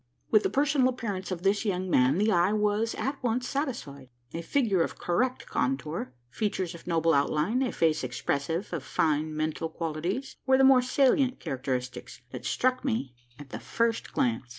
With the personal appearance of this young man the eye was at once satisfied. A figure of correct contour, features of noble outline, a face expressive of fine mental qualities were the more salient characteristics that struck me at the first glance.